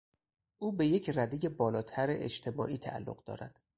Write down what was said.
او به یک ردهی بالاتر اجتماعی تعلق دارد.